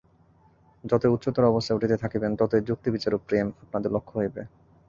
যতই উচ্চতর অবস্থায় উঠিতে থাকিবেন, ততই যুক্তিবিচার ও প্রেম আপনাদের লক্ষ্য হইবে।